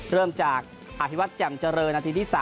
เริ่มจากอภิวัตรแจ่มเจริญนาทีที่๓